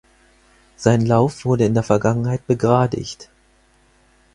Sein Lauf wurde in der Vergangenheit begradigt.